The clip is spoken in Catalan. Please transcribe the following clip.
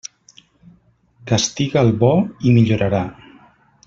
Castiga al bo, i millorarà.